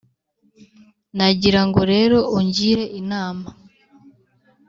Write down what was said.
nagira ngo rero ungire inama